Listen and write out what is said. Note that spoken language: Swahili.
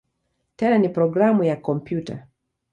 Tena ni programu ya kompyuta.